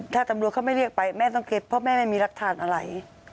ถ้าตำรวจเขาไม่เรียกไปแม่ต้องเก็บเพราะแม่ไม่มีรักฐานอะไร